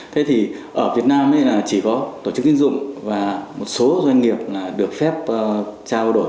thế thì ở việt nam là chỉ có tổ chức tiến dụng và một số doanh nghiệp là được phép trao đổi